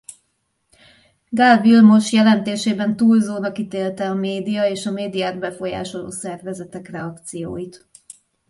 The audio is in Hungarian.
Gál Vilmos jelentésében túlzónak ítélte a média és a médiát befolyásoló szervezetek reakcióit.